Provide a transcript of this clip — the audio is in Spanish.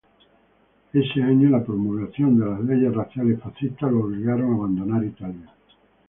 Ese año, la promulgación de las leyes raciales fascistas lo obligaron a abandonar Italia.